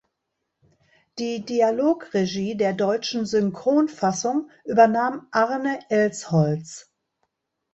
Die Dialogregie der deutschen Synchronfassung übernahm Arne Elsholtz.